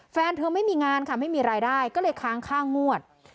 แฟนเธอไม่มีงานค่ะไม่มีรายได้ก็เลยค้างค่างวด